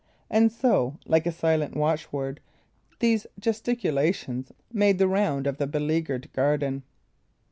And so, like a silent watch word, these gesticulations made the round of the beleaguered garden.